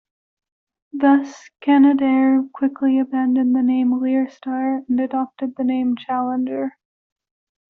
Thus, Canadair quickly abandoned the name "LearStar" and adopted the name "Challenger".